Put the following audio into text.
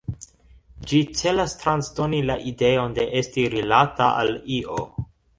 Ĝi celas transdoni la ideon de esti rilata al io.